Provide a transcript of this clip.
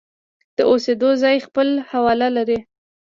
د اوسېدو ځای خپل حواله لري.